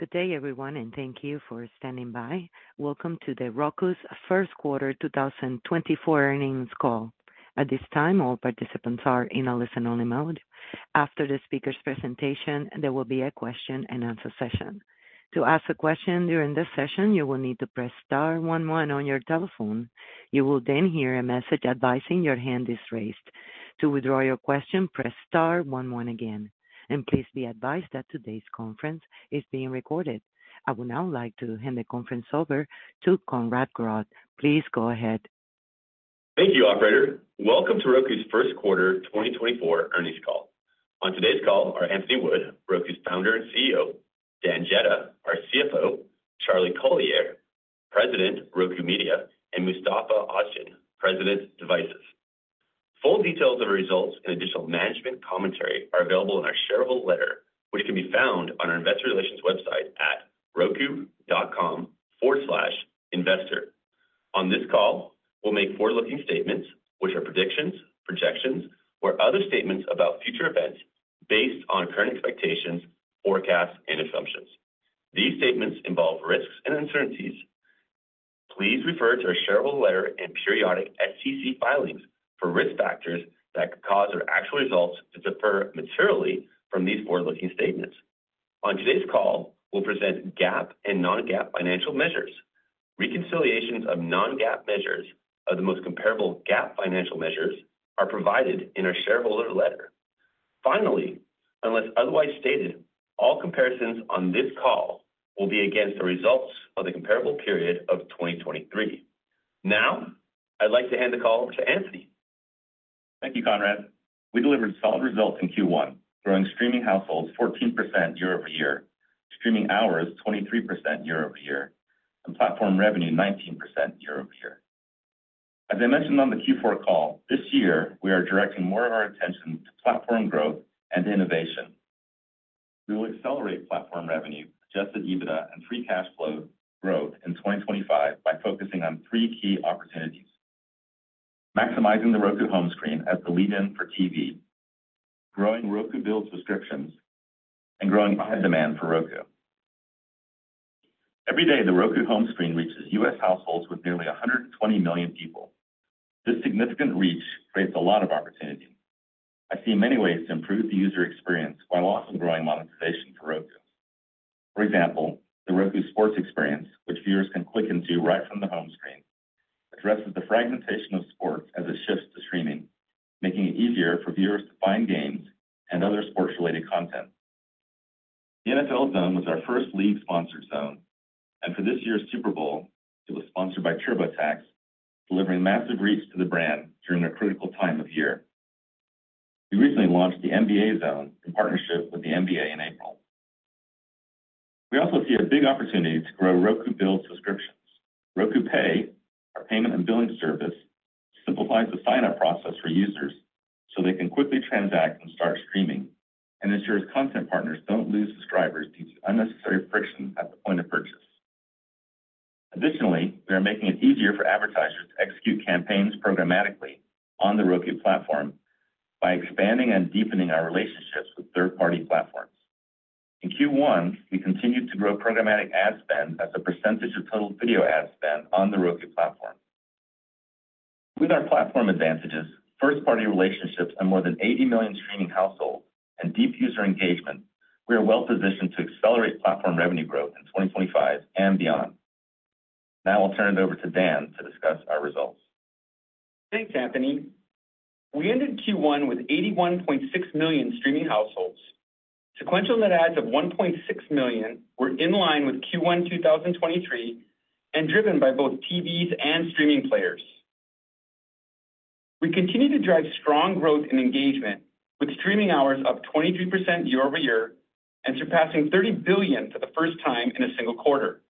Good day everyone, and thank you for standing by. Welcome to the Roku's first quarter 2024 earnings call. At this time, all participants are in a listen-only mode. After the speaker's presentation, there will be a question-and-answer session. To ask a question during this session, you will need to press star 11 on your telephone. You will then hear a message advising your hand is raised. To withdraw your question, press star 11 again. Please be advised that today's conference is being recorded. I would now like to hand the conference over to Conrad Grodd. Please go ahead. Thank you, operator. Welcome to Roku's first quarter 2024 earnings call. On today's call are Anthony Wood, Roku's founder and CEO; Dan Jedda, our CFO; Charlie Collier, President, Roku Media; and Mustafa Ozgen, President, Devices. Full details of results and additional management commentary are available in our shareable letter, which can be found on our investor relations website at roku.com/investor. On this call, we'll make forward-looking statements, which are predictions, projections, or other statements about future events based on current expectations, forecasts, and assumptions. These statements involve risks and uncertainties. Please refer to our shareable letter and periodic SEC filings for risk factors that could cause our actual results to differ materially from these forward-looking statements. On today's call, we'll present GAAP and non-GAAP financial measures. Reconciliations of non-GAAP measures of the most comparable GAAP financial measures are provided in our shareable letter. Finally, unless otherwise stated, all comparisons on this call will be against the results of the comparable period of 2023. Now, I'd like to hand the call over to Anthony. Thank you, Conrad. We delivered solid results in Q1, growing streaming households 14% year-over-year, streaming hours 23% year-over-year, and platform revenue 19% year-over-year. As I mentioned on the Q4 call, this year we are directing more of our attention to platform growth and innovation. We will accelerate platform revenue, Adjusted EBITDA, and free cash flow growth in 2025 by focusing on three key opportunities: maximizing the Roku home screen as the lead-in for TV, growing Roku billed subscriptions, and growing demand for Roku. Every day, the Roku home screen reaches U.S. households with nearly 120 million people. This significant reach creates a lot of opportunity. I see many ways to improve the user experience while also growing monetization for Roku. For example, the Roku Sports Experience, which viewers can click into right from the home screen, addresses the fragmentation of sports as it shifts to streaming, making it easier for viewers to find games and other sports-related content. The NFL Zone was our first league-sponsored zone, and for this year's Super Bowl, it was sponsored by TurboTax, delivering massive reach to the brand during a critical time of year. We recently launched the NBA Zone in partnership with the NBA in April. We also see a big opportunity to grow Roku-billed subscriptions. Roku Pay, our payment and billing service, simplifies the sign-up process for users so they can quickly transact and start streaming, and ensures content partners don't lose subscribers due to unnecessary friction at the point of purchase. Additionally, we are making it easier for advertisers to execute campaigns programmatically on the Roku platform by expanding and deepening our relationships with third-party platforms. In Q1, we continued to grow programmatic ad spend as a percentage of total video ad spend on the Roku platform. With our platform advantages, first-party relationships on more than 80 million streaming households, and deep user engagement, we are well-positioned to accelerate platform revenue growth in 2025 and beyond. Now I'll turn it over to Dan to discuss our results. Thanks, Anthony. We ended Q1 with 81.6 million streaming households. Sequential net adds of 1.6 million were in line with Q1 2023 and driven by both TVs and streaming players. We continue to drive strong growth in engagement, with streaming hours up 23% year-over-year and surpassing 30 billion for the first time in a single quarter.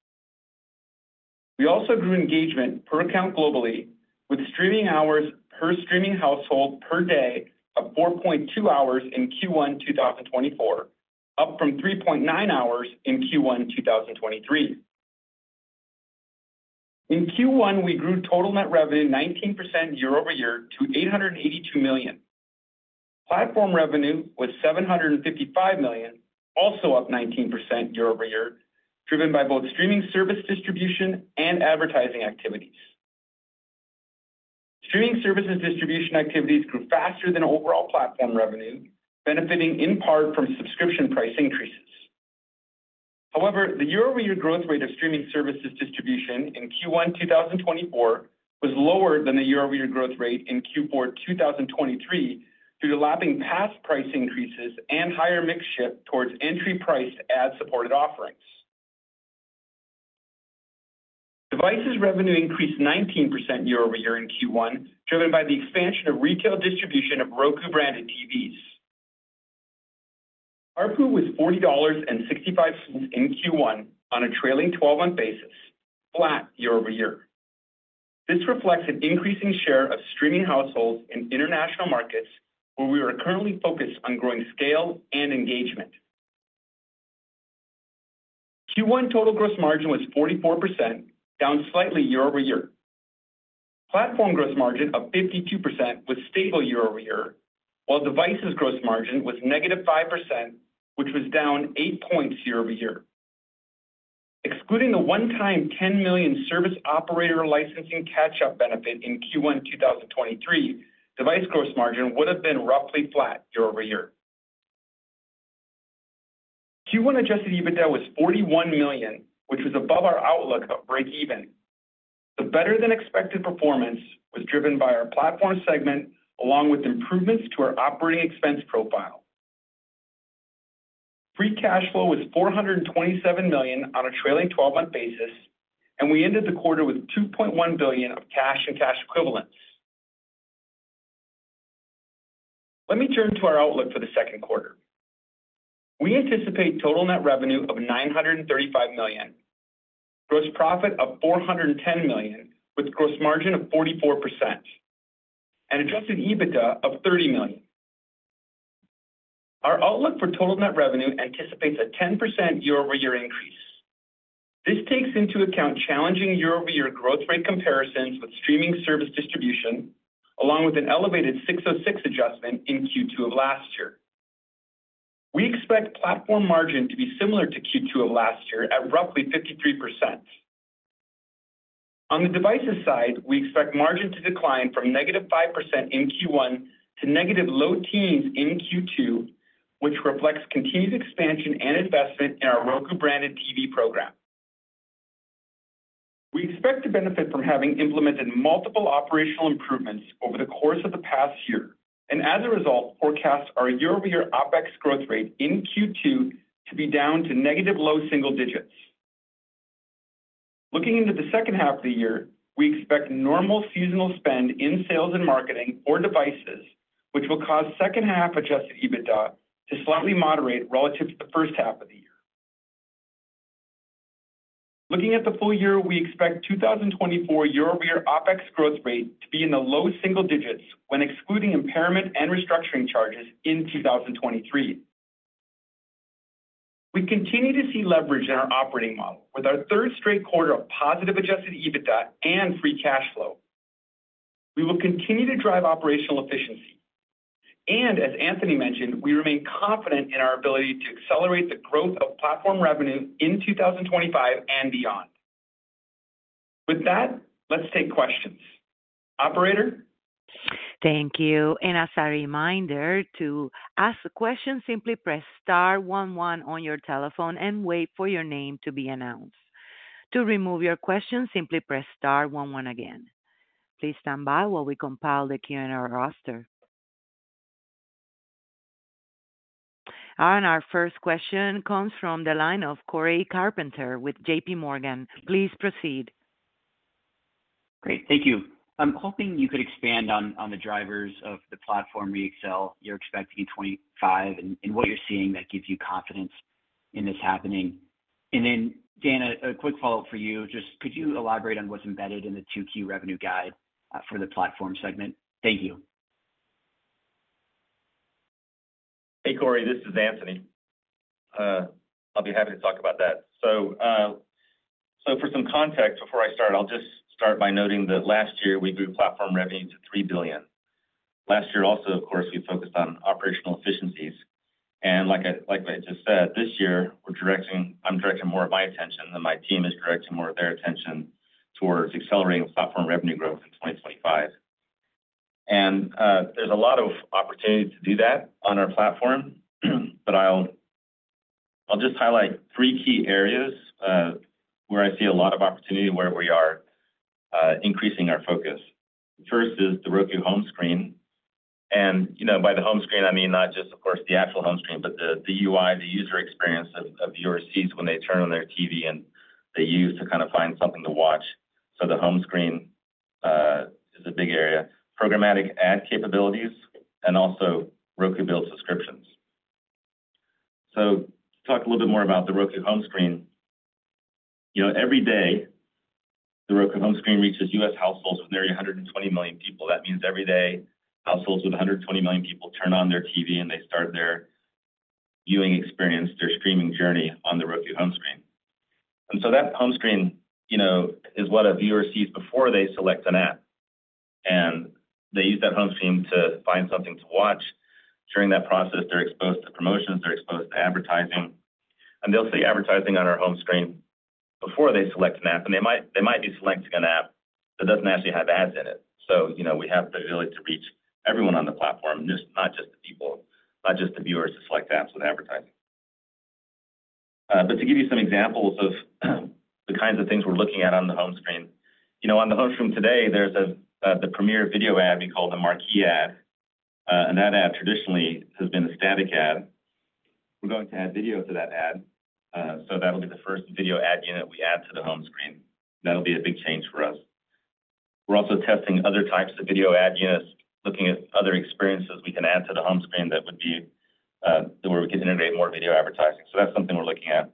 We also grew engagement per account globally, with streaming hours per streaming household per day of 4.2 hours in Q1 2024, up from 3.9 hours in Q1 2023. In Q1, we grew total net revenue 19% year-over-year to $882 million. Platform revenue was $755 million, also up 19% year-over-year, driven by both streaming service distribution and advertising activities. Streaming services distribution activities grew faster than overall platform revenue, benefiting in part from subscription price increases. However, the year-over-year growth rate of streaming services distribution in Q1 2024 was lower than the year-over-year growth rate in Q4 2023 due to lapping past price increases and higher mix shift towards entry-priced ad-supported offerings. Devices revenue increased 19% year over year in Q1, driven by the expansion of retail distribution of Roku-branded TVs. ARPU was $40.65 in Q1 on a trailing 12-month basis, flat year over year. This reflects an increasing share of streaming households in international markets, where we are currently focused on growing scale and engagement. Q1 total gross margin was 44%, down slightly year over year. Platform gross margin of 52% was stable year over year, while devices gross margin was -5%, which was down 8 points year over year. Excluding the one-time $10 million service operator licensing catch-up benefit in Q1 2023, device gross margin would have been roughly flat year over year. Q1 adjusted EBITDA was $41 million, which was above our outlook of break-even. The better-than-expected performance was driven by our platform segment, along with improvements to our operating expense profile. Free cash flow was $427 million on a trailing 12-month basis, and we ended the quarter with $2.1 billion of cash and cash equivalents. Let me turn to our outlook for the second quarter. We anticipate total net revenue of $935 million, gross profit of $410 million, with gross margin of 44%, and adjusted EBITDA of $30 million. Our outlook for total net revenue anticipates a 10% year-over-year increase. This takes into account challenging year-over-year growth rate comparisons with streaming service distribution, along with an elevated 606 adjustment in Q2 of last year. We expect platform margin to be similar to Q2 of last year at roughly 53%. On the devices side, we expect margin to decline from -5% in Q1 to negative low teens in Q2, which reflects continued expansion and investment in our Roku-branded TV program. We expect to benefit from having implemented multiple operational improvements over the course of the past year, and as a result, forecast our year-over-year OpEx growth rate in Q2 to be down to negative low single digits. Looking into the second half of the year, we expect normal seasonal spend in sales and marketing for devices, which will cause second-half adjusted EBITDA to slightly moderate relative to the first half of the year. Looking at the full year, we expect 2024 year-over-year OpEx growth rate to be in the low single digits when excluding impairment and restructuring charges in 2023. We continue to see leverage in our operating model, with our third straight quarter of positive adjusted EBITDA and free cash flow. We will continue to drive operational efficiency. As Anthony mentioned, we remain confident in our ability to accelerate the growth of platform revenue in 2025 and beyond. With that, let's take questions. Operator? Thank you. As a reminder to ask a question, simply press star 11 on your telephone and wait for your name to be announced. To remove your question, simply press star 11 again. Please stand by while we compile the Q&A roster. Our first question comes from the line of Cory Carpenter with J.P. Morgan. Please proceed. Great. Thank you. I'm hoping you could expand on the drivers of the platform reaccel you're expecting in 2025 and what you're seeing that gives you confidence in this happening. And then, Dan, a quick follow-up for you. Just could you elaborate on what's embedded in the 2Q revenue guide for the platform segment? Thank you. Hey, Cory. This is Anthony. I'll be happy to talk about that. So for some context, before I start, I'll just start by noting that last year we grew platform revenue to $3 billion. Last year also, of course, we focused on operational efficiencies. And like I just said, this year I'm directing more of my attention than my team is directing more of their attention towards accelerating platform revenue growth in 2025. And there's a lot of opportunity to do that on our platform, but I'll just highlight three key areas where I see a lot of opportunity, where we are increasing our focus. The first is the Roku home screen. By the home screen, I mean not just, of course, the actual home screen, but the UI, the user experience of viewers' seats when they turn on their TV and they use to kind of find something to watch. The home screen is a big area. Programmatic ad capabilities and also Roku-billed subscriptions. To talk a little bit more about the Roku home screen, every day the Roku home screen reaches U.S. households with nearly 120 million people. That means every day households with 120 million people turn on their TV and they start their viewing experience, their streaming journey on the Roku home screen. That home screen is what a viewer sees before they select an app. They use that home screen to find something to watch. During that process, they're exposed to promotions, they're exposed to advertising. They'll see advertising on our home screen before they select an app. They might be selecting an app that doesn't actually have ads in it. So we have the ability to reach everyone on the platform, not just the people, not just the viewers to select apps with advertising. But to give you some examples of the kinds of things we're looking at on the home screen, on the home screen today, there's the premier video ad we call the Marquee ad. That ad traditionally has been a static ad. We're going to add video to that ad. So that'll be the first video ad unit we add to the home screen. That'll be a big change for us. We're also testing other types of video ad units, looking at other experiences we can add to the home screen that would be where we could integrate more video advertising. So that's something we're looking at.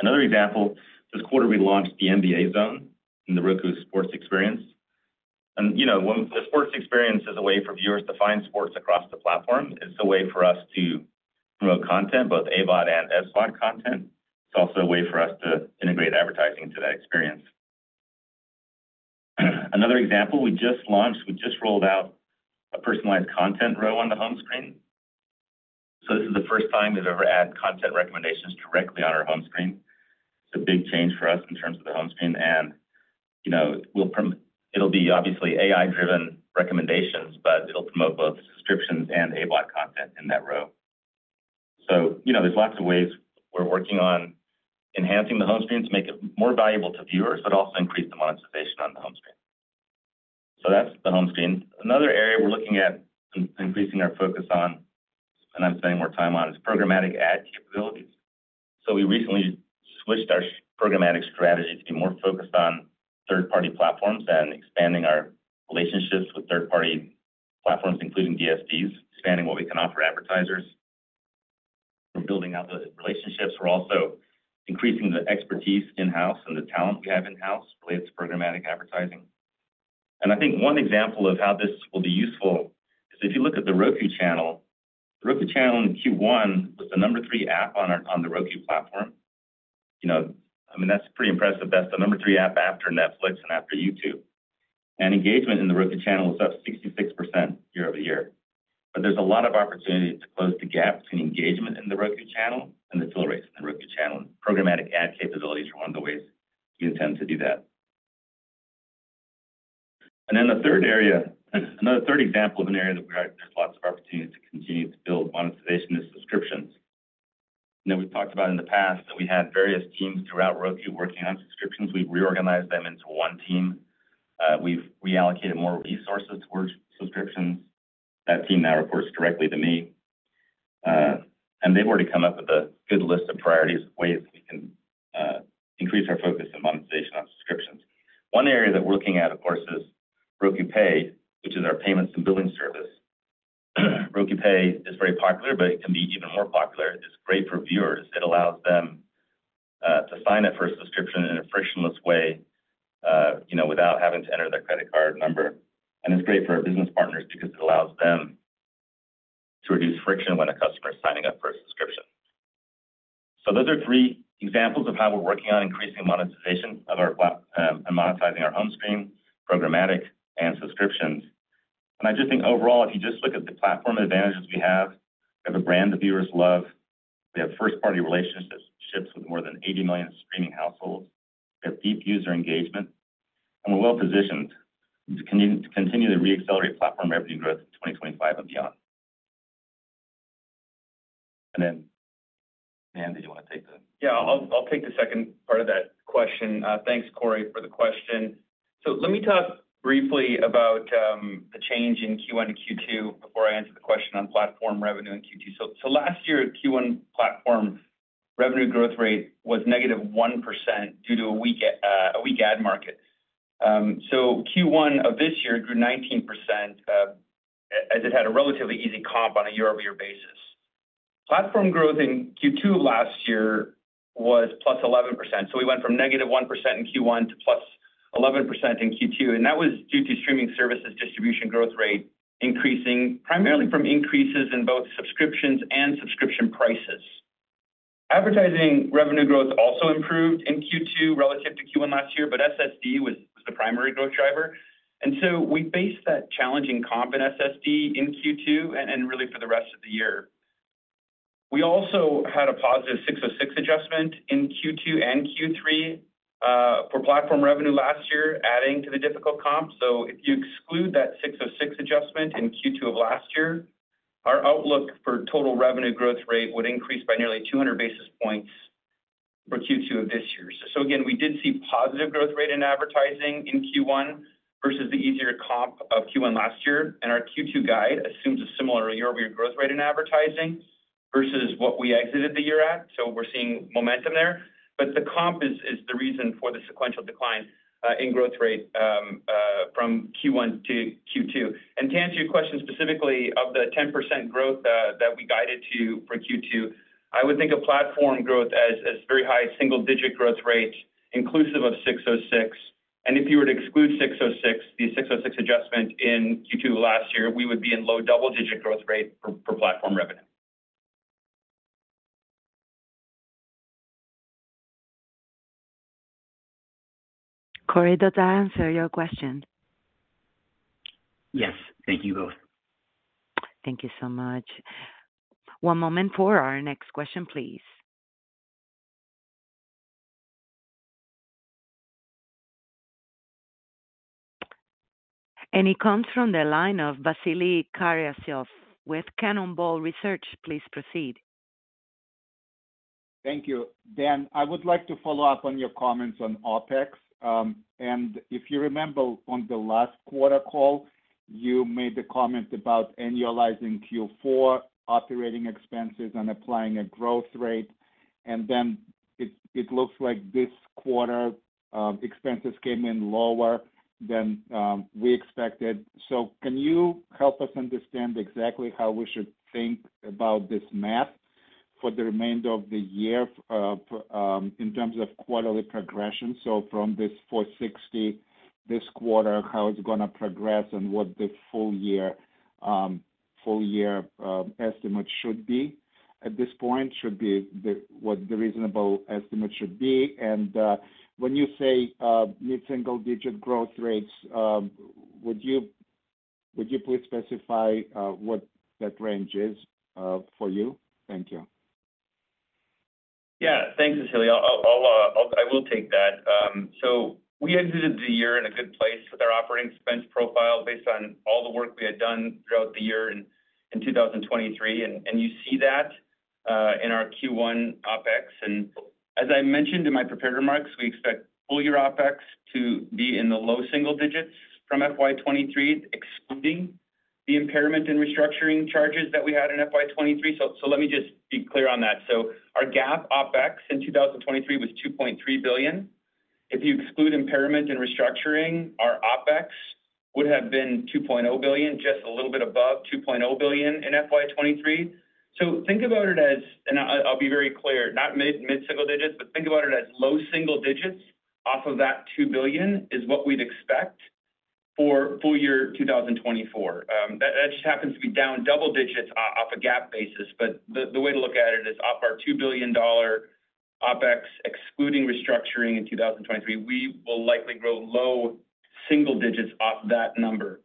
Another example, this quarter we launched the NBA Zone in the Roku Sports Experience. The sports experience is a way for viewers to find sports across the platform. It's a way for us to promote content, both AVOD and SVOD content. It's also a way for us to integrate advertising into that experience. Another example, we just launched, we just rolled out a personalized content row on the home screen. So this is the first time we've ever added content recommendations directly on our home screen. It's a big change for us in terms of the home screen. It'll be obviously AI-driven recommendations, but it'll promote both subscriptions and AVOD content in that row. There's lots of ways we're working on enhancing the home screen to make it more valuable to viewers, but also increase the monetization on the home screen. That's the home screen. Another area we're looking at increasing our focus on and I'm spending more time on is programmatic ad capabilities. We recently switched our programmatic strategy to be more focused on third-party platforms and expanding our relationships with third-party platforms, including DSPs, expanding what we can offer advertisers. We're building out the relationships. We're also increasing the expertise in-house and the talent we have in-house related to programmatic advertising. I think one example of how this will be useful is if you look at The Roku Channel, The Roku Channel in Q1 was the number 3 app on the Roku platform. I mean, that's pretty impressive. That's the number 3 app after Netflix and after YouTube. Engagement in The Roku Channel was up 66% year-over-year. But there's a lot of opportunity to close the gap between engagement in The Roku Channel and the fill rates in The Roku Channel. Programmatic ad capabilities are one of the ways we intend to do that. Then the third area, another third example of an area that there's lots of opportunities to continue to build monetization is subscriptions. We've talked about in the past that we had various teams throughout Roku working on subscriptions. We've reorganized them into one team. We've reallocated more resources towards subscriptions. That team now reports directly to me. They've already come up with a good list of priorities, ways we can increase our focus and monetization on subscriptions. One area that we're looking at, of course, is Roku Pay, which is our payments and billing service. Roku Pay is very popular, but it can be even more popular. It's great for viewers. It allows them to sign up for a subscription in a frictionless way without having to enter their credit card number. It's great for our business partners because it allows them to reduce friction when a customer is signing up for a subscription. Those are three examples of how we're working on increasing monetization and monetizing our home screen, programmatic, and subscriptions. I just think overall, if you just look at the platform advantages we have, we have a brand the viewers love. We have first-party relationships with more than 80 million streaming households. We have deep user engagement. We're well positioned to continue to re-accelerate platform revenue growth in 2025 and beyond. Then, Dan, did you want to take the? Yeah. I'll take the second part of that question. Thanks, Cory, for the question. So let me talk briefly about the change in Q1 to Q2 before I answer the question on platform revenue in Q2. So last year, Q1 platform revenue growth rate was negative 1% due to a weak ad market. So Q1 of this year grew 19% as it had a relatively easy comp on a year-over-year basis. Platform growth in Q2 of last year was plus 11%. So we went from negative 1% in Q1 to plus 11% in Q2. And that was due to streaming services distribution growth rate increasing, primarily from increases in both subscriptions and subscription prices. Advertising revenue growth also improved in Q2 relative to Q1 last year, but SSD was the primary growth driver. We faced that challenging comp in SSD in Q2 and really for the rest of the year. We also had a positive 606 adjustment in Q2 and Q3 for platform revenue last year, adding to the difficult comp. If you exclude that 606 adjustment in Q2 of last year, our outlook for total revenue growth rate would increase by nearly 200 basis points for Q2 of this year. Again, we did see positive growth rate in advertising in Q1 versus the easier comp of Q1 last year. Our Q2 guide assumes a similar year-over-year growth rate in advertising versus what we exited the year at. We're seeing momentum there. The comp is the reason for the sequential decline in growth rate from Q1 to Q2. To answer your question specifically of the 10% growth that we guided to for Q2, I would think of platform growth as very high single-digit growth rate inclusive of 606. And if you were to exclude 606, the 606 adjustment in Q2 of last year, we would be in low double-digit growth rate for platform revenue. Cory, does that answer your question? Yes. Thank you both. Thank you so much. One moment for our next question, please. He comes from the line of Vasily Karasyov with Cannonball Research. Please proceed. Thank you, Dan. I would like to follow up on your comments on OpEx. And if you remember, on the last quarter call, you made the comment about annualizing Q4 operating expenses and applying a growth rate. And then it looks like this quarter, expenses came in lower than we expected. So can you help us understand exactly how we should think about this math for the remainder of the year in terms of quarterly progression? So from this $460 this quarter, how it's going to progress and what the full-year estimate should be at this point, what the reasonable estimate should be? And when you say mid-single-digit growth rates, would you please specify what that range is for you? Thank you. Yeah. Thanks, Vasily. I will take that. So we exited the year in a good place with our operating expense profile based on all the work we had done throughout the year in 2023. And you see that in our Q1 OpEx. And as I mentioned in my prepared remarks, we expect full-year OpEx to be in the low single digits from FY23, excluding the impairment and restructuring charges that we had in FY23. So let me just be clear on that. So our GAAP OpEx in 2023 was $2.3 billion. If you exclude impairment and restructuring, our OpEx would have been $2.0 billion, just a little bit above $2.0 billion in FY23. So think about it as and I'll be very clear, not mid-single digits, but think about it as low single digits off of that $2 billion is what we'd expect for full year 2024. That just happens to be down double digits off a GAAP basis. But the way to look at it is off our $2 billion OpEx excluding restructuring in 2023, we will likely grow low single digits off that number.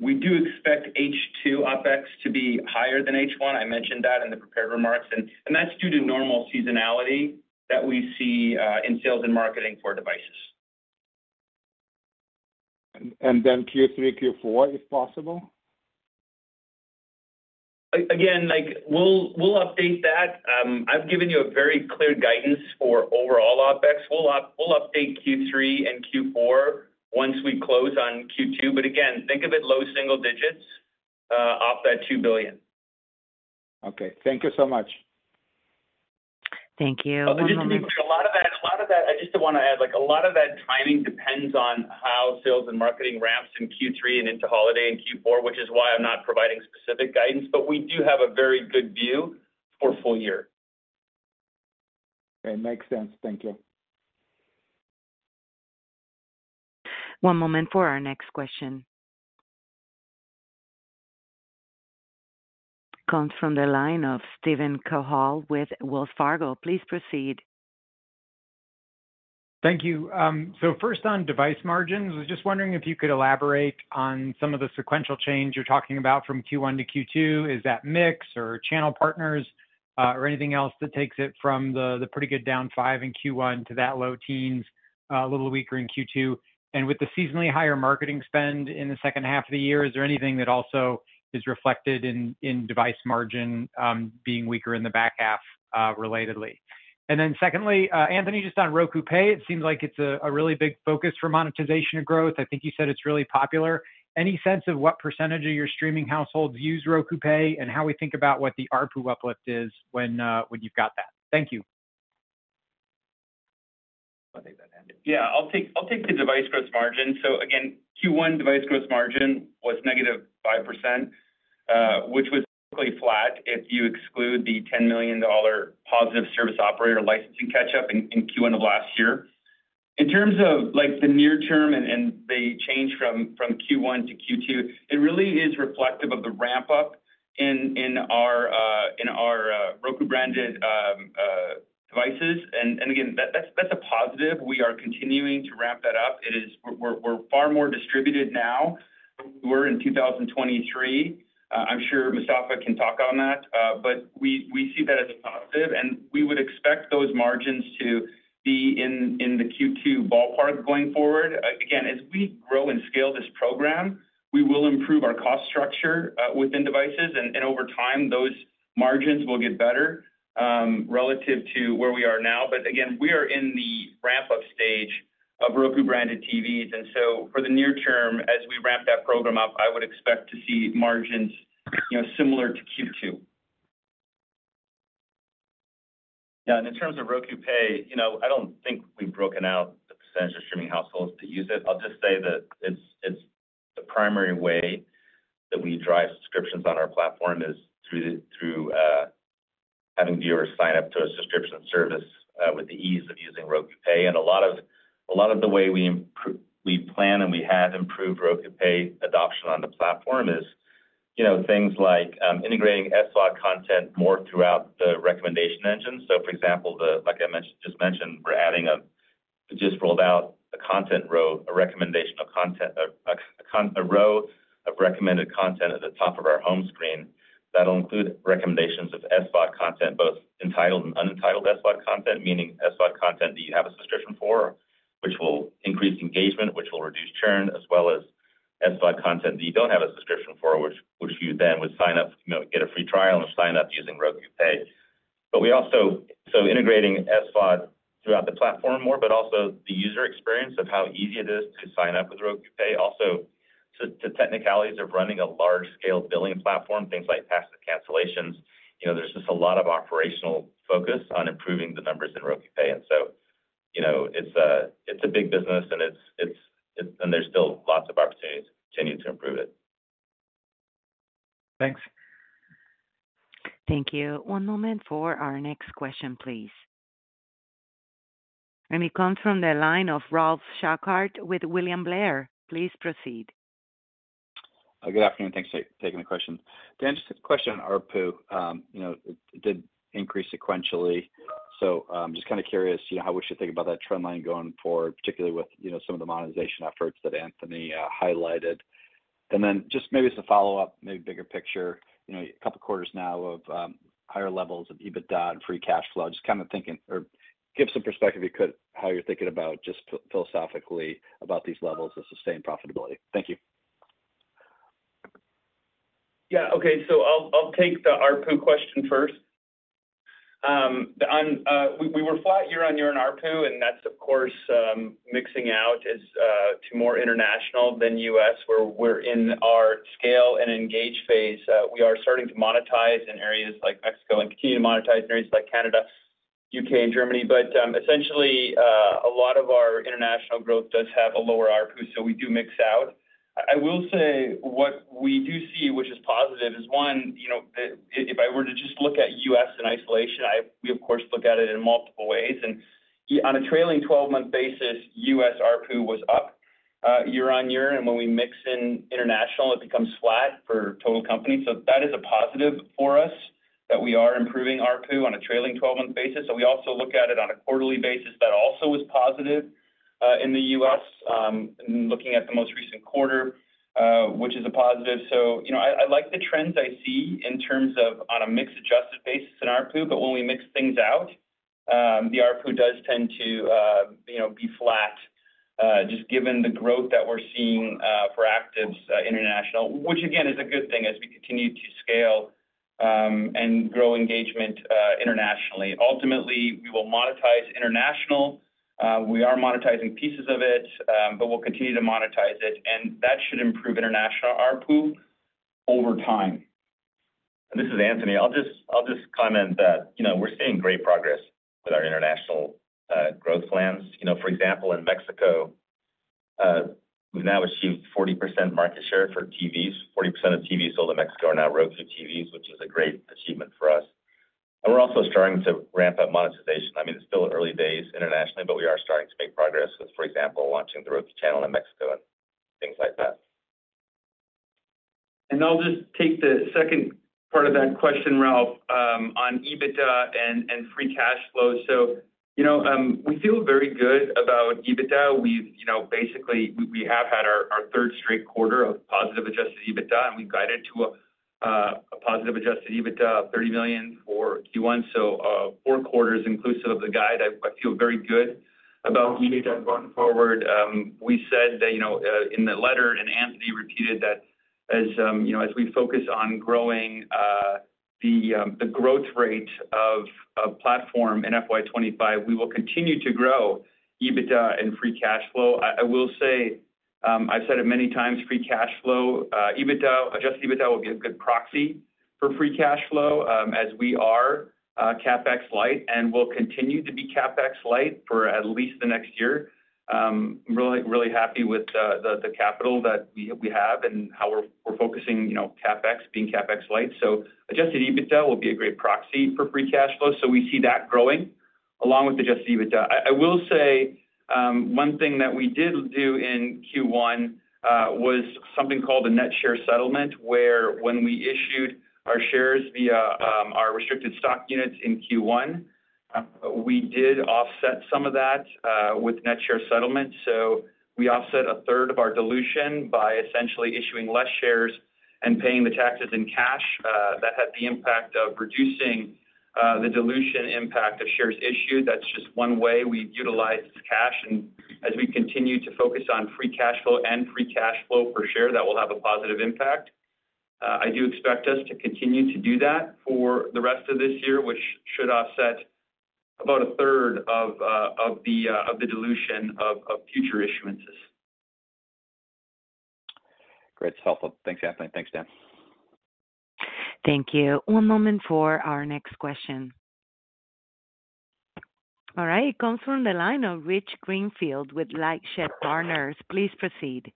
We do expect H2 OpEx to be higher than H1. I mentioned that in the prepared remarks. And that's due to normal seasonality that we see in sales and marketing for devices. Q3, Q4, if possible? Again, we'll update that. I've given you a very clear guidance for overall OpEx. We'll update Q3 and Q4 once we close on Q2. But again, think of it low single digits off that $2 billion. Okay. Thank you so much. Thank you. Just to be clear, a lot of that. I just want to add, a lot of that timing depends on how sales and marketing ramps in Q3 and into holiday in Q4, which is why I'm not providing specific guidance. But we do have a very good view for full year. It makes sense. Thank you. One moment for our next question. Comes from the line of Steven Cahall with Wells Fargo. Please proceed. Thank you. So first on device margins, I was just wondering if you could elaborate on some of the sequential change you're talking about from Q1 to Q2. Is that mix or channel partners or anything else that takes it from the pretty good, down 5 in Q1 to that low teens, a little weaker in Q2? And with the seasonally higher marketing spend in the second half of the year, is there anything that also is reflected in device margin being weaker in the back half relatedly? And then secondly, Anthony, just on Roku Pay, it seems like it's a really big focus for monetization and growth. I think you said it's really popular. Any sense of what percentage of your streaming households use Roku Pay and how we think about what the ARPU uplift is when you've got that? Thank you. I think that ended. Yeah. I'll take the device growth margin. So again, Q1 device growth margin was negative 5%, which was typically flat if you exclude the $10 million positive service operator licensing catch-up in Q1 of last year. In terms of the near-term and the change from Q1 to Q2, it really is reflective of the ramp-up in our Roku-branded devices. And again, that's a positive. We are continuing to ramp that up. We're far more distributed now. We're in 2023. I'm sure Mustafa can talk on that. But we see that as a positive. And we would expect those margins to be in the Q2 ballpark going forward. Again, as we grow and scale this program, we will improve our cost structure within devices. And over time, those margins will get better relative to where we are now. But again, we are in the ramp-up stage of Roku-branded TVs. And so for the near term, as we ramp that program up, I would expect to see margins similar to Q2. Yeah. And in terms of Roku Pay, I don't think we've broken out the percentage of streaming households to use it. I'll just say that it's the primary way that we drive subscriptions on our platform is through having viewers sign up to a subscription service with the ease of using Roku Pay. And a lot of the way we plan and we have improved Roku Pay adoption on the platform is things like integrating SVOD content more throughout the recommendation engine. So for example, like I just mentioned, we're adding a just rolled out a content row, a recommendation content a row of recommended content at the top of our home screen. That'll include recommendations of SVOD content, both entitled and unentitled SVOD content, meaning SVOD content that you have a subscription for, which will increase engagement, which will reduce churn, as well as SVOD content that you don't have a subscription for, which you then would sign up, get a free trial, and sign up using Roku Pay. So integrating SVOD throughout the platform more, but also the user experience of how easy it is to sign up with Roku Pay, also to technicalities of running a large-scale billing platform, things like passive cancellations. There's just a lot of operational focus on improving the numbers in Roku Pay. And so it's a big business. And there's still lots of opportunities to continue to improve it. Thanks. Thank you. One moment for our next question, please. He comes from the line of Ralph Schackart with William Blair. Please proceed. Good afternoon. Thanks for taking the question. Dan, just a question on ARPU. It did increase sequentially. So just kind of curious how we should think about that trend line going forward, particularly with some of the monetization efforts that Anthony highlighted. And then just maybe as a follow-up, maybe bigger picture, a couple of quarters now of higher levels of EBITDA and free cash flow, just kind of thinking or give some perspective if you could, how you're thinking about just philosophically about these levels of sustained profitability. Thank you. Yeah. Okay. So I'll take the ARPU question first. We were flat year-over-year on ARPU, and that's, of course, mixing out to more international than U.S., where we're in our scale and engage phase. We are starting to monetize in areas like Mexico and continue to monetize in areas like Canada, U.K., and Germany. But essentially, a lot of our international growth does have a lower ARPU, so we do mix out. I will say what we do see, which is positive, is one, if I were to just look at U.S. in isolation, we, of course, look at it in multiple ways. And on a trailing 12-month basis, U.S. ARPU was up year-over-year. And when we mix in international, it becomes flat for total company. So that is a positive for us that we are improving ARPU on a trailing 12-month basis. So we also look at it on a quarterly basis. That also was positive in the U.S., looking at the most recent quarter, which is a positive. So I like the trends I see in terms of on a mix-adjusted basis in ARPU. But when we mix things out, the ARPU does tend to be flat just given the growth that we're seeing for Actives International, which again is a good thing as we continue to scale and grow engagement internationally. Ultimately, we will monetize international. We are monetizing pieces of it, but we'll continue to monetize it. And that should improve international ARPU over time. This is Anthony. I'll just comment that we're seeing great progress with our international growth plans. For example, in Mexico, we've now achieved 40% market share for TVs. 40% of TVs sold in Mexico are now Roku TVs, which is a great achievement for us. And we're also starting to ramp up monetization. I mean, it's still early days internationally, but we are starting to make progress with, for example, launching the Roku Channel in Mexico and things like that. I'll just take the second part of that question, Ralph, on EBITDA and free cash flow. So we feel very good about EBITDA. Basically, we have had our third straight quarter of positive adjusted EBITDA, and we've guided to a positive adjusted EBITDA of $30 million for Q1. So four quarters inclusive of the guide, I feel very good about EBITDA going forward. We said that in the letter, and Anthony repeated that as we focus on growing the growth rate of platform in FY2025, we will continue to grow EBITDA and free cash flow. I will say I've said it many times, free cash flow. Adjusted EBITDA will be a good proxy for free cash flow as we are CapEx light and will continue to be CapEx light for at least the next year. I'm really happy with the capital that we have and how we're focusing CapEx, being CapEx light. So adjusted EBITDA will be a great proxy for free cash flow. So we see that growing along with adjusted EBITDA. I will say one thing that we did do in Q1 was something called a net share settlement where when we issued our shares via our restricted stock units in Q1, we did offset some of that with net share settlement. So we offset a third of our dilution by essentially issuing less shares and paying the taxes in cash. That had the impact of reducing the dilution impact of shares issued. That's just one way we utilize cash. And as we continue to focus on free cash flow and free cash flow per share, that will have a positive impact. I do expect us to continue to do that for the rest of this year, which should offset about a third of the dilution of future issuances. Great. That's helpful. Thanks, Anthony. Thanks, Dan. Thank you. One moment for our next question. All right. It comes from the line of Rich Greenfield with LightShed Partners. Please proceed.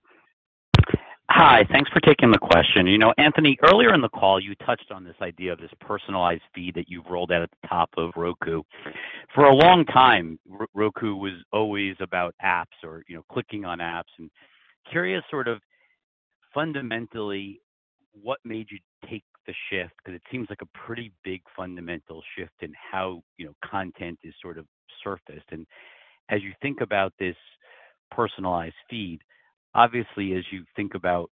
Hi. Thanks for taking the question. Anthony, earlier in the call, you touched on this idea of this personalized feed that you've rolled out at the top of Roku. For a long time, Roku was always about apps or clicking on apps. I'm curious sort of fundamentally, what made you take the shift? Because it seems like a pretty big fundamental shift in how content is sort of surfaced. As you think about this personalized feed, obviously, as you think about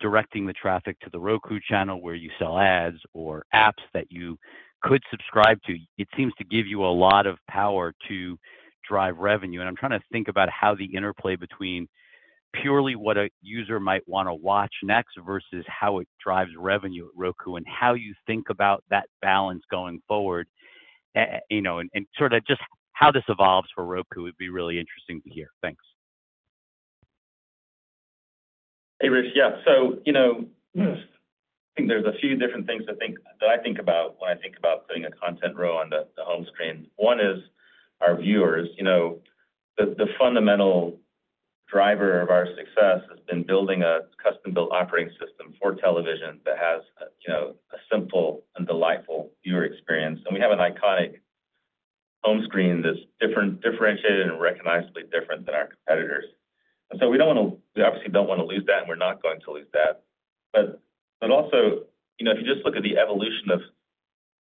directing the traffic to The Roku Channel where you sell ads or apps that you could subscribe to, it seems to give you a lot of power to drive revenue. I'm trying to think about how the interplay between purely what a user might want to watch next versus how it drives revenue at Roku and how you think about that balance going forward and sort of just how this evolves for Roku would be really interesting to hear. Thanks. Hey, Rich. Yeah. So I think there's a few different things that I think about when I think about putting a content row on the home screen. One is our viewers. The fundamental driver of our success has been building a custom-built operating system for television that has a simple and delightful viewer experience. And we have an iconic home screen that's differentiated and recognizably different than our competitors. And so we don't want to we obviously don't want to lose that, and we're not going to lose that. But also, if you just look at the evolution of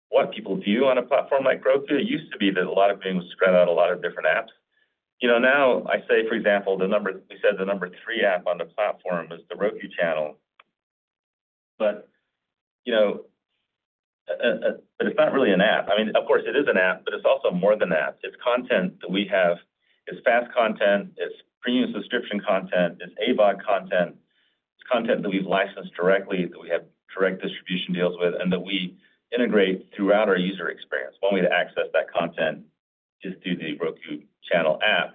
what people view on a platform like Roku, it used to be that a lot of things were spread out a lot of different apps. Now, I say, for example, we said the number three app on the platform was The Roku Channel. But it's not really an app. I mean, of course, it is an app, but it's also more than that. It's content that we have. It's FAST content. It's premium subscription content. It's AVOD content. It's content that we've licensed directly, that we have direct distribution deals with, and that we integrate throughout our user experience. One way to access that content is through the Roku Channel app.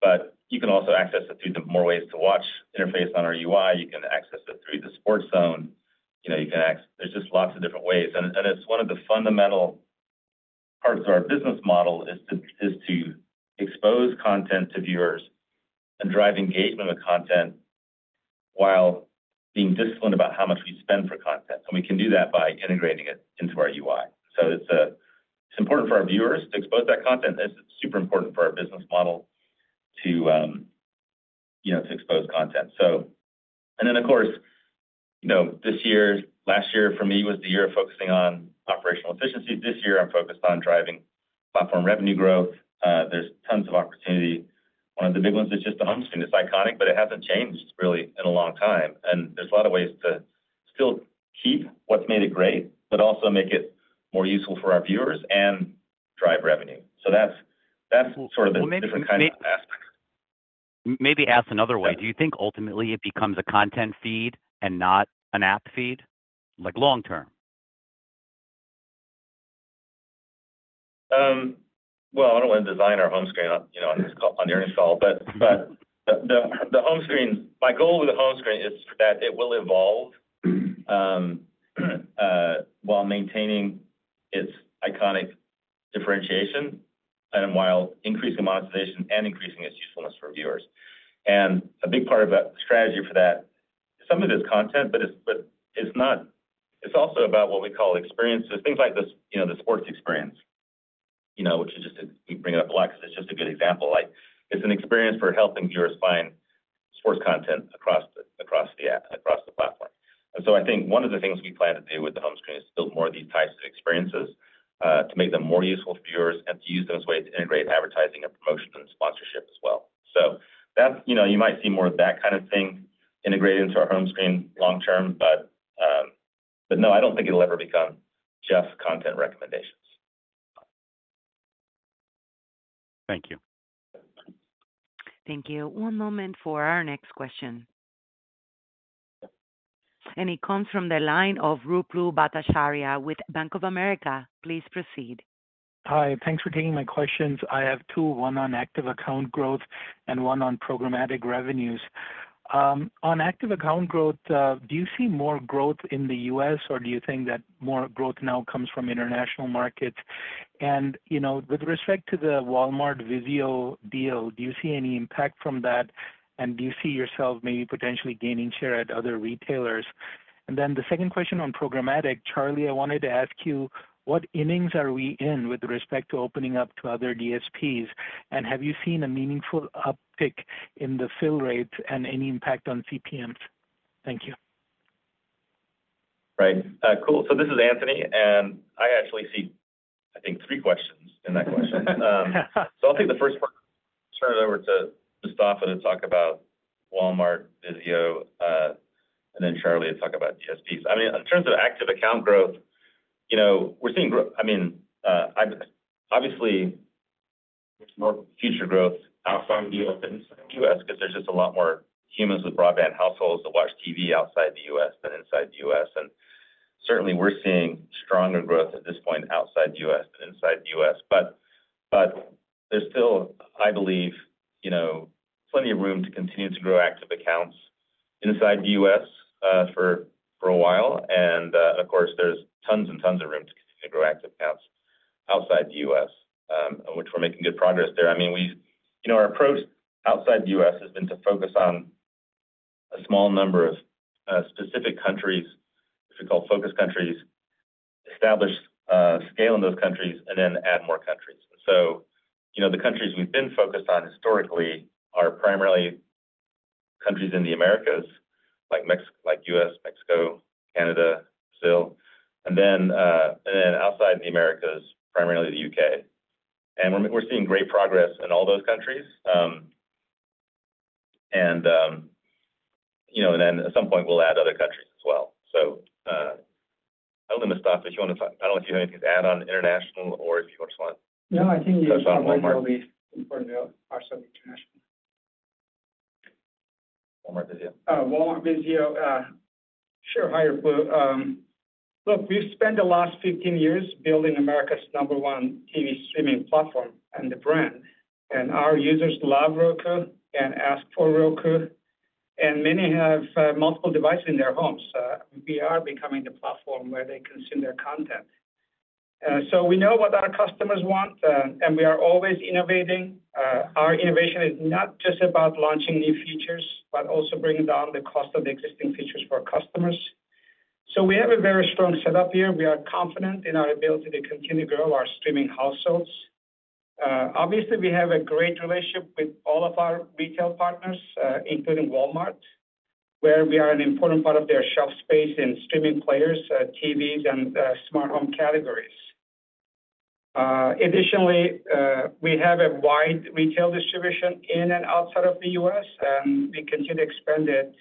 But you can also access it through the more ways to watch interface on our UI. You can access it through the Sports Zone. You can, there's just lots of different ways. And it's one of the fundamental parts of our business model is to expose content to viewers and drive engagement with content while being disciplined about how much we spend for content. And we can do that by integrating it into our UI. So it's important for our viewers to expose that content. It's super important for our business model to expose content. And then, of course, this year, last year for me was the year of focusing on operational efficiencies. This year, I'm focused on driving platform revenue growth. There's tons of opportunity. One of the big ones is just the home screen. It's iconic, but it hasn't changed really in a long time. And there's a lot of ways to still keep what's made it great, but also make it more useful for our viewers and drive revenue. So that's sort of the different kind of aspects. Maybe ask another way. Do you think ultimately it becomes a content feed and not an app feed long-term? Well, I don't want to design our home screen on the earnings call. But the home screen my goal with the home screen is that it will evolve while maintaining its iconic differentiation and while increasing monetization and increasing its usefulness for viewers. And a big part of the strategy for that is some of it's content, but it's also about what we call experiences, things like the sports experience, which is just we bring it up a lot because it's just a good example. It's an experience for helping viewers find sports content across the platform. And so I think one of the things we plan to do with the home screen is to build more of these types of experiences to make them more useful for viewers and to use them as a way to integrate advertising and promotion and sponsorship as well. You might see more of that kind of thing integrated into our home screen long-term. No, I don't think it'll ever become just content recommendations. Thank you. Thank you. One moment for our next question. He comes from the line of Ruplu Bhattacharya with Bank of America. Please proceed. Hi. Thanks for taking my questions. I have two, one on active account growth and one on programmatic revenues. On active account growth, do you see more growth in the U.S., or do you think that more growth now comes from international markets? And with respect to the Walmart Vizio deal, do you see any impact from that? And do you see yourself maybe potentially gaining share at other retailers? And then the second question on programmatic, Charlie, I wanted to ask you, what innings are we in with respect to opening up to other DSPs? And have you seen a meaningful uptick in the fill rates and any impact on CPMs? Thank you. Right. Cool. So this is Anthony. And I actually see, I think, three questions in that question. So I'll take the first part, turn it over to Mustafa to talk about Walmart Vizio, and then Charlie to talk about DSPs. I mean, in terms of active account growth, we're seeing I mean, obviously, there's more future growth outside the U.S. because there's just a lot more humans with broadband households that watch TV outside the U.S. than inside the U.S. And certainly, we're seeing stronger growth at this point outside the U.S. than inside the U.S. But there's still, I believe, plenty of room to continue to grow active accounts inside the U.S. for a while. And of course, there's tons and tons of room to continue to grow active accounts outside the U.S., which we're making good progress there. I mean, our approach outside the U.S. has been to focus on a small number of specific countries, if you call focus countries, establish scale in those countries, and then add more countries. And so the countries we've been focused on historically are primarily countries in the Americas like U.S., Mexico, Canada, Brazil. And then outside the Americas, primarily the U.K. And we're seeing great progress in all those countries. And then at some point, we'll add other countries as well. So I don't know, Mustafa, if you want to talk I don't know if you have anything to add on international or if you just want to touch on Walmart. No, I think you touched on Walmart. Walmart will be important to know. Our sub-international. Walmart Vizio. Walmart Vizio. Sure. Look, we've spent the last 15 years building America's number one TV streaming platform and the brand. Our users love Roku and ask for Roku. Many have multiple devices in their homes. We are becoming the platform where they consume their content. We know what our customers want, and we are always innovating. Our innovation is not just about launching new features but also bringing down the cost of the existing features for our customers. We have a very strong setup here. We are confident in our ability to continue to grow our streaming households. Obviously, we have a great relationship with all of our retail partners, including Walmart, where we are an important part of their shelf space in streaming players, TVs, and smart home categories. Additionally, we have a wide retail distribution in and outside of the U.S., and we continue to expand it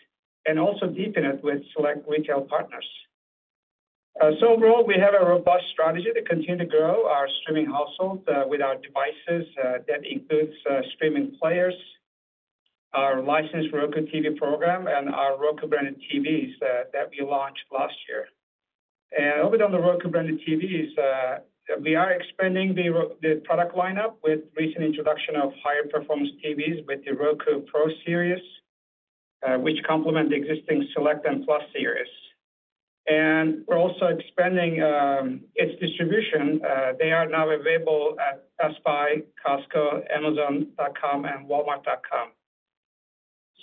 and also deepen it with select retail partners. Overall, we have a robust strategy to continue to grow our streaming households with our devices that includes streaming players, our licensed Roku TV program, and our Roku branded TVs that we launched last year. Over on the Roku branded TVs, we are expanding the product lineup with recent introduction of higher performance TVs with the Roku Pro Series, which complement the existing Select Series and Plus Series. We're also expanding its distribution. They are now available at Best Buy, Costco, Amazon.com, and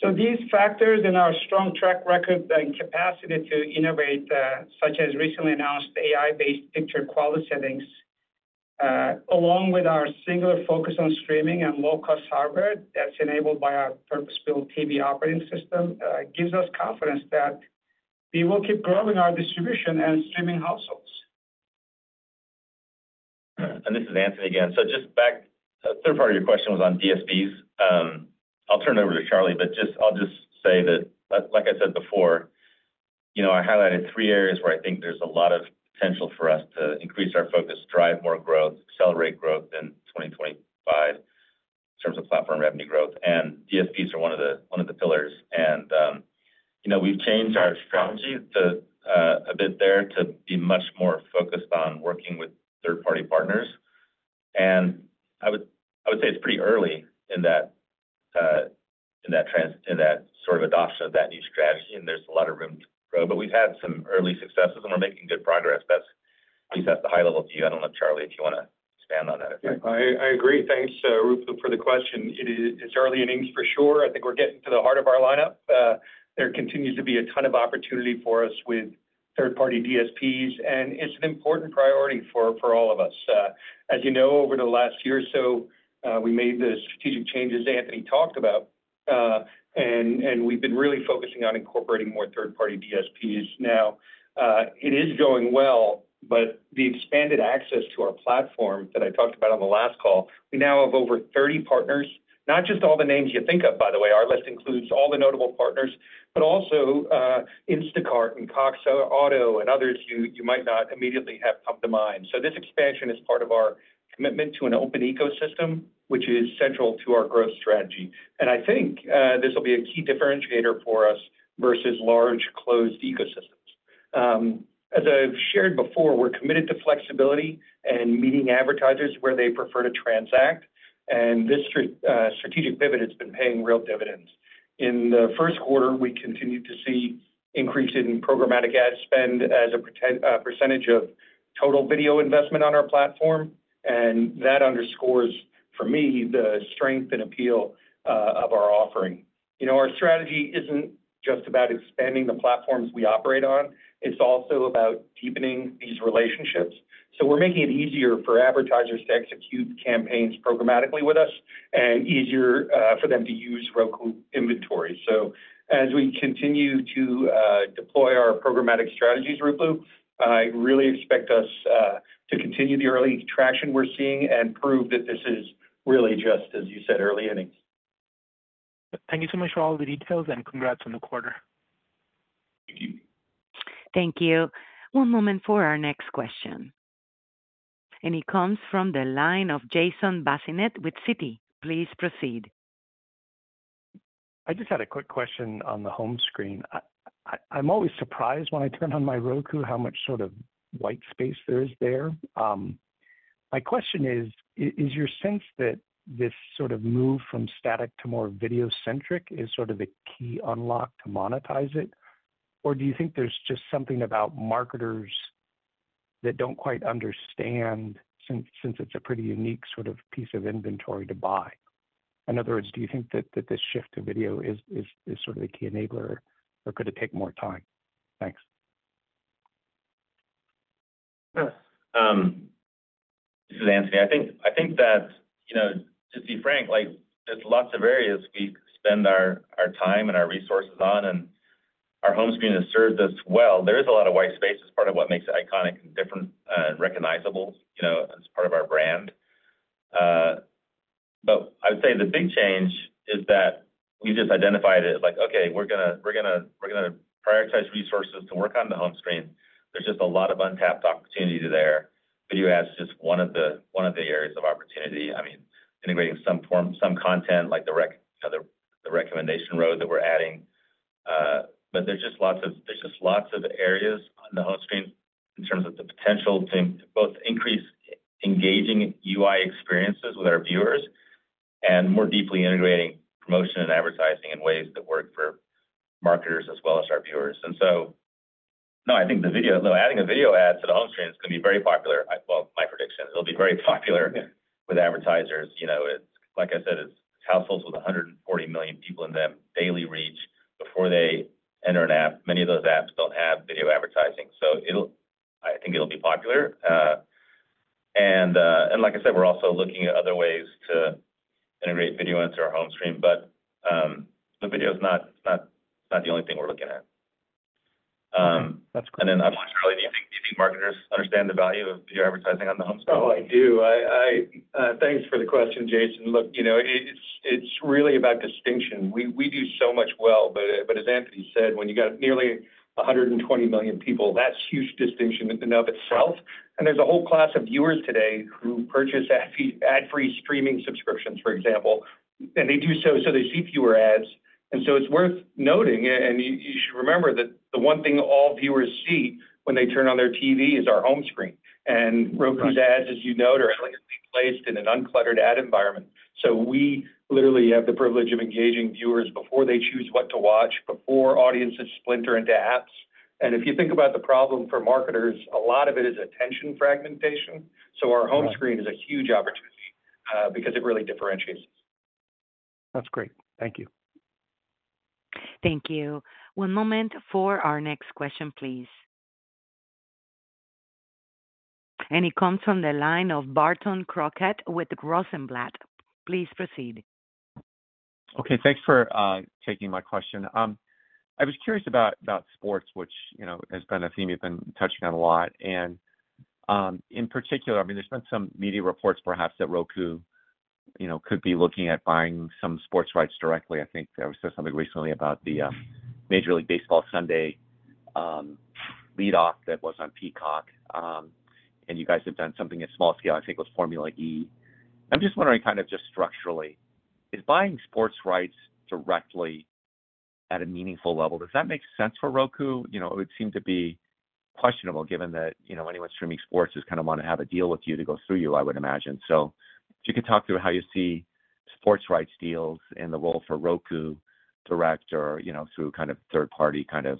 Walmart.com. These factors and our strong track record and capacity to innovate, such as recently announced AI-based picture quality settings, along with our singular focus on streaming and low-cost hardware that's enabled by our purpose-built TV operating system, gives us confidence that we will keep growing our distribution and streaming households. This is Anthony again. So just back, third part of your question was on DSPs. I'll turn it over to Charlie. But I'll just say that, like I said before, I highlighted three areas where I think there's a lot of potential for us to increase our focus, drive more growth, accelerate growth in 2025 in terms of platform revenue growth. And DSPs are one of the pillars. And we've changed our strategy a bit there to be much more focused on working with third-party partners. And I would say it's pretty early in that sort of adoption of that new strategy, and there's a lot of room to grow. But we've had some early successes, and we're making good progress. At least that's the high-level view. I don't know, Charlie, if you want to expand on that. I agree. Thanks, Ruplu, for the question. It's early innings for sure. I think we're getting to the heart of our lineup. There continues to be a ton of opportunity for us with third-party DSPs, and it's an important priority for all of us. As you know, over the last year or so, we made the strategic changes Anthony talked about, and we've been really focusing on incorporating more third-party DSPs now. It is going well, but the expanded access to our platform that I talked about on the last call, we now have over 30 partners, not just all the names you think of, by the way. Our list includes all the notable partners, but also Instacart and Cox Auto and others you might not immediately have come to mind. So this expansion is part of our commitment to an open ecosystem, which is central to our growth strategy. I think this will be a key differentiator for us versus large closed ecosystems. As I've shared before, we're committed to flexibility and meeting advertisers where they prefer to transact. And this strategic pivot has been paying real dividends. In the first quarter, we continued to see an increase in programmatic ad spend as a percentage of total video investment on our platform. And that underscores, for me, the strength and appeal of our offering. Our strategy isn't just about expanding the platforms we operate on. It's also about deepening these relationships. So we're making it easier for advertisers to execute campaigns programmatically with us and easier for them to use Roku inventory. So as we continue to deploy our programmatic strategies, Ruplu, I really expect us to continue the early traction we're seeing and prove that this is really just, as you said, early innings. Thank you so much for all the details, and congrats on the quarter. Thank you. Thank you. One moment for our next question. He comes from the line of Jason Bazinet with Citi. Please proceed. I just had a quick question on the home screen. I'm always surprised when I turn on my Roku how much sort of white space there is there. My question is, is your sense that this sort of move from static to more video-centric sort of a key unlock to monetize it? Or do you think there's just something about marketers that don't quite understand since it's a pretty unique sort of piece of inventory to buy? In other words, do you think that this shift to video is sort of a key enabler, or could it take more time? Thanks. This is Anthony. I think that, to be frank, there's lots of areas we spend our time and our resources on, and our home screen has served us well. There is a lot of white space as part of what makes it iconic and different and recognizable as part of our brand. But I would say the big change is that we've just identified it like, "Okay, we're going to prioritize resources to work on the home screen." There's just a lot of untapped opportunity there. Video ads is just one of the areas of opportunity. I mean, integrating some content like the recommendation row that we're adding. But there's just lots of areas on the home screen in terms of the potential to both increase engaging UI experiences with our viewers and more deeply integrating promotion and advertising in ways that work for marketers as well as our viewers. And so, no, I think adding a video ad to the home screen is going to be very popular. Well, my prediction, it'll be very popular with advertisers. Like I said, it's households with 140 million people in them daily reach before they enter an app. Many of those apps don't have video advertising. So I think it'll be popular. And like I said, we're also looking at other ways to integrate video into our home screen. But the video is not the only thing we're looking at. That's cool. Then, Charlie, do you think marketers understand the value of video advertising on the home screen? Oh, I do. Thanks for the question, Jason. Look, it's really about distinction. We do so much well. But as Anthony said, when you got nearly 120 million people, that's huge distinction in and of itself. And there's a whole class of viewers today who purchase ad-free streaming subscriptions, for example. And they do so so they see fewer ads. And so it's worth noting. And you should remember that the one thing all viewers see when they turn on their TV is our home screen. And Roku's ads, as you note, are elegantly placed in an uncluttered ad environment. So we literally have the privilege of engaging viewers before they choose what to watch, before audiences splinter into apps. And if you think about the problem for marketers, a lot of it is attention fragmentation. So our home screen is a huge opportunity because it really differentiates us. That's great. Thank you. Thank you. One moment for our next question, please. He comes from the line of Barton Crockett with Rosenblatt. Please proceed. Okay. Thanks for taking my question. I was curious about sports, which has been a theme you've been touching on a lot. And in particular, I mean, there's been some media reports, perhaps, that Roku could be looking at buying some sports rights directly. I think there was something recently about the Major League Baseball Sunday Leadoff that was on Peacock. And you guys have done something at small scale. I think it was Formula E. And I'm just wondering, kind of just structurally, is buying sports rights directly at a meaningful level? Does that make sense for Roku? It would seem to be questionable given that anyone streaming sports is kind of wanting to have a deal with you to go through you, I would imagine. If you could talk through how you see sports rights deals and the role for Roku direct or through kind of third-party kind of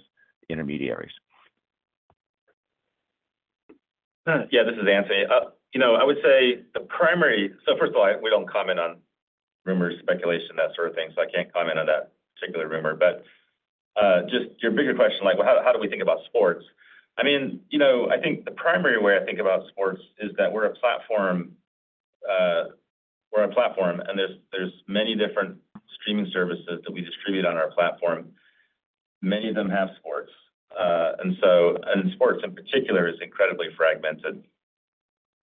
intermediaries? Yeah. This is Anthony. I would say the primary, so first of all, we don't comment on rumors, speculation, that sort of thing. So I can't comment on that particular rumor. But just your bigger question, how do we think about sports? I mean, I think the primary way I think about sports is that we're a platform. We're a platform, and there's many different streaming services that we distribute on our platform. Many of them have sports. And sports, in particular, is incredibly fragmented.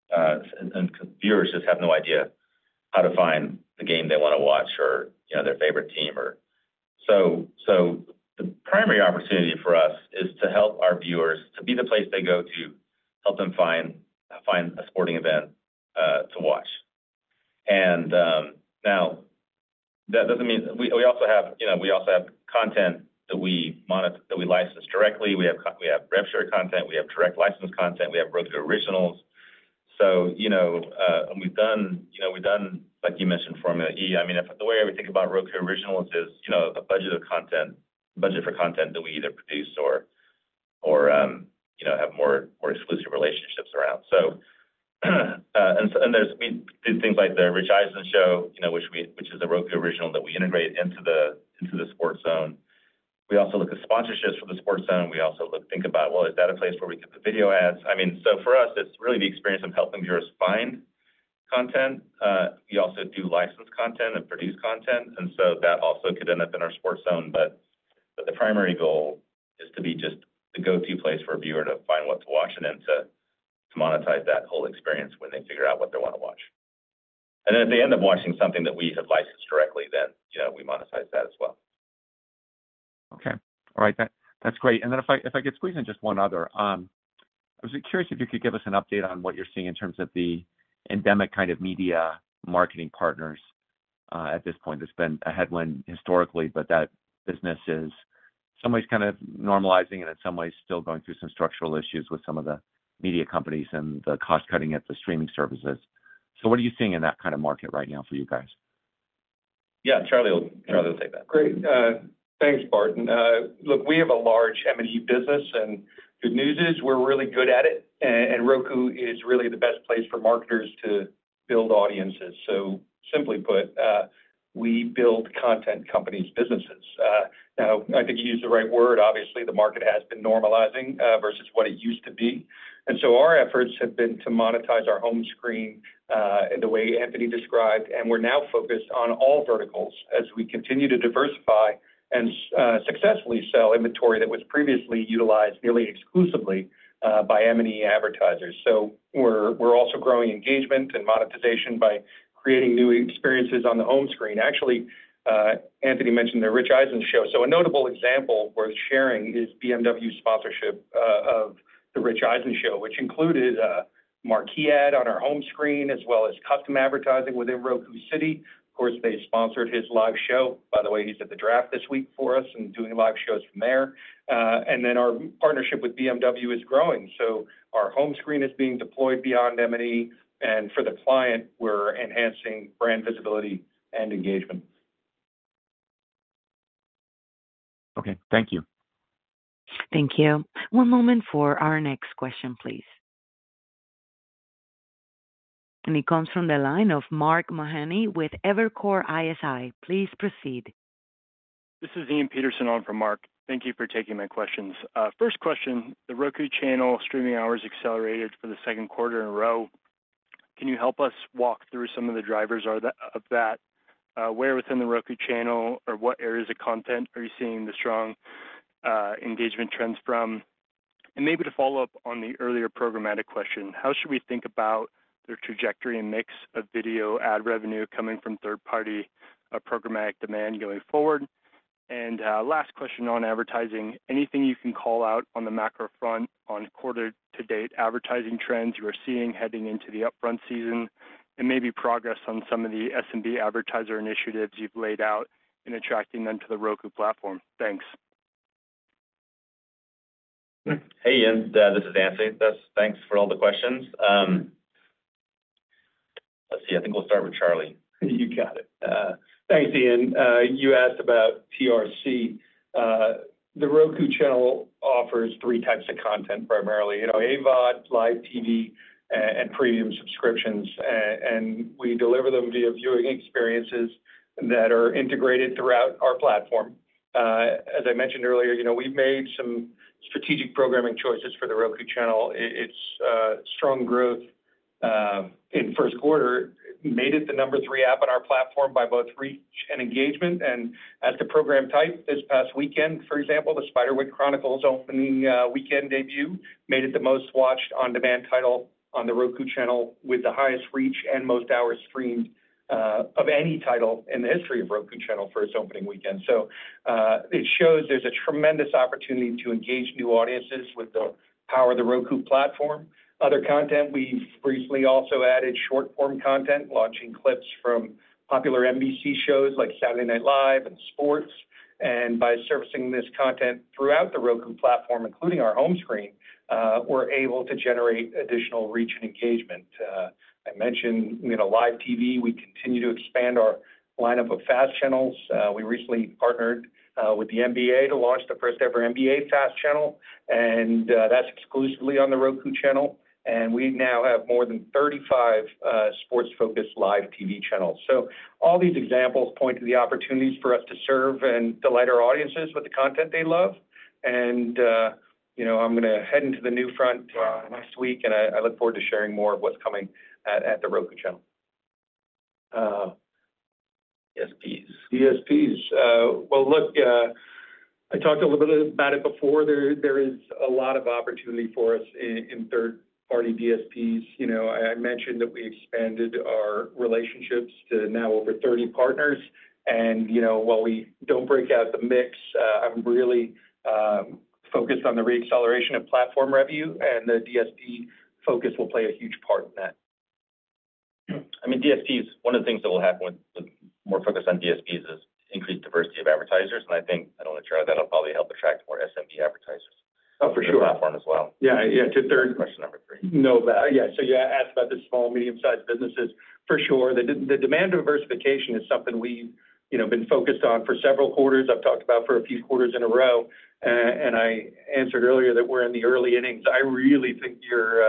And viewers just have no idea how to find the game they want to watch or their favorite team. So the primary opportunity for us is to help our viewers to be the place they go to help them find a sporting event to watch. And now, that doesn't mean we also have content that we license directly. We have rev share content. We have direct licensed content. We have Roku Originals. And we've done, like you mentioned, Formula E. I mean, the way we think about Roku Originals is a budget for content that we either produce or have more exclusive relationships around. And we did things like the Rich Eisen Show, which is a Roku Original that we integrate into the Sports Zone. We also look at sponsorships for the Sports Zone. We also think about, "Well, is that a place where we could put video ads?" I mean, so for us, it's really the experience of helping viewers find content. We also do license content and produce content. And so that also could end up in our Sports Zone. The primary goal is to be just the go-to place for a viewer to find what to watch and then to monetize that whole experience when they figure out what they want to watch. Then if they end up watching something that we have licensed directly, then we monetize that as well. Okay. All right. That's great. And then if I could squeeze in just one other, I was curious if you could give us an update on what you're seeing in terms of the endemic kind of media marketing partners at this point. It's been a headwind historically, but that business is in some ways kind of normalizing and in some ways still going through some structural issues with some of the media companies and the cost-cutting at the streaming services. So what are you seeing in that kind of market right now for you guys? Yeah. Charlie will take that. Great. Thanks, Barton. Look, we have a large M&E business. Good news is we're really good at it. Roku is really the best place for marketers to build audiences. So simply put, we build content companies' businesses. Now, I think you used the right word. Obviously, the market has been normalizing versus what it used to be. Our efforts have been to monetize our home screen the way Anthony described. We're now focused on all verticals as we continue to diversify and successfully sell inventory that was previously utilized nearly exclusively by M&E advertisers. We're also growing engagement and monetization by creating new experiences on the home screen. Actually, Anthony mentioned the Rich Eisen Show. A notable example worth sharing is BMW's sponsorship of the Rich Eisen Show, which included a marquee ad on our home screen as well as custom advertising within Roku City. Of course, they sponsored his live show. By the way, he's at the draft this week for us and doing live shows from there. Then our partnership with BMW is growing. Our home screen is being deployed beyond M&E. For the client, we're enhancing brand visibility and engagement. Okay. Thank you. Thank you. One moment for our next question, please. He comes from the line of Mark Mahaney with Evercore ISI. Please proceed. This is Ian Peterson on for Mark. Thank you for taking my questions. First question, The Roku Channel streaming hours accelerated for the second quarter in a row. Can you help us walk through some of the drivers of that? Where within The Roku Channel or what areas of content are you seeing the strong engagement trends from? And maybe to follow up on the earlier programmatic question, how should we think about their trajectory and mix of video ad revenue coming from third-party programmatic demand going forward? And last question on advertising, anything you can call out on the macro front on quarter-to-date advertising trends you are seeing heading into the upfront season and maybe progress on some of the SMB advertiser initiatives you've laid out in attracting them to the Roku platform. Thanks. Hey, Ian. This is Anthony. Thanks for all the questions. Let's see. I think we'll start with Charlie. You got it. Thanks, Ian. You asked about TRC. The Roku Channel offers three types of content primarily: AVOD, live TV, and premium subscriptions. We deliver them via viewing experiences that are integrated throughout our platform. As I mentioned earlier, we've made some strategic programming choices for The Roku Channel. Its strong growth in first quarter made it the number 3 app on our platform by both reach and engagement. As to program type, this past weekend, for example, The Spiderwick Chronicles opening weekend debut made it the most watched on-demand title on The Roku Channel with the highest reach and most hours streamed of any title in the history of The Roku Channel for its opening weekend. So it shows there's a tremendous opportunity to engage new audiences with the power of the Roku platform. Other content, we've recently also added short-form content, launching clips from popular NBC shows like Saturday Night Live and sports. And by servicing this content throughout the Roku platform, including our home screen, we're able to generate additional reach and engagement. I mentioned live TV. We continue to expand our lineup of FAST channels. We recently partnered with the NBA to launch the first-ever NBA FAST channel. And that's exclusively on the Roku Channel. And we now have more than 35 sports-focused live TV channels. So all these examples point to the opportunities for us to serve and delight our audiences with the content they love. And I'm going to head into the NewFronts next week, and I look forward to sharing more of what's coming at the Roku Channel. DSPs. DSPs. Well, look, I talked a little bit about it before. There is a lot of opportunity for us in third-party DSPs. I mentioned that we expanded our relationships to now over 30 partners. While we don't break out the mix, I'm really focused on the reacceleration of platform revenue. The DSP focus will play a huge part in that. I mean, DSPs, one of the things that will happen with more focus on DSPs is increased diversity of advertisers. And I think I don't know, but that'll probably help attract more SMB advertisers to the platform as well. Oh, for sure. Yeah. Yeah. Question number 3. No, yeah. So you asked about the small, medium-sized businesses. For sure. The demand diversification is something we've been focused on for several quarters. I've talked about for a few quarters in a row. And I answered earlier that we're in the early innings. I really think you're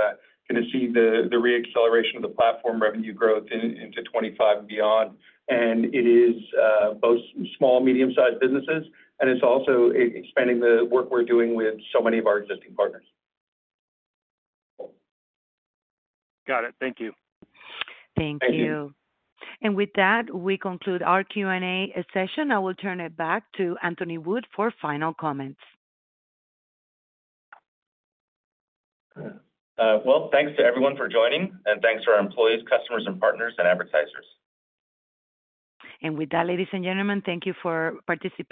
going to see the reacceleration of the platform revenue growth into 2025 and beyond. And it is both small, medium-sized businesses. And it's also expanding the work we're doing with so many of our existing partners. Got it. Thank you. Thank you. And with that, we conclude our Q&A session. I will turn it back to Anthony Wood for final comments. Well, thanks to everyone for joining. Thanks to our employees, customers, and partners, and advertisers. With that, ladies and gentlemen, thank you for participating.